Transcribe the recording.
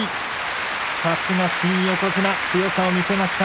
さすが新横綱、強さを見せました。